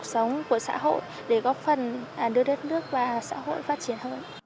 để góp phần đưa đất nước và xã hội phát triển hơn